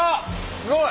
すごい！